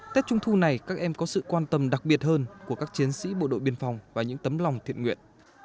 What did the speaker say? tết trung thu này các em có sự quan tâm đặc biệt hơn của các chiến sĩ bộ đội biên phòng và những tấm lòng thiện nguyện